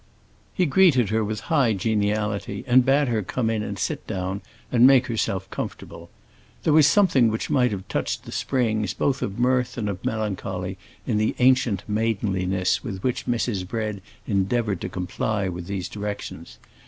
He greeted her with high geniality and bade her come in and sit down and make herself comfortable. There was something which might have touched the springs both of mirth and of melancholy in the ancient maidenliness with which Mrs. Bread endeavored to comply with these directions.